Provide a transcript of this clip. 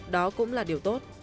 đó cũng là điều tốt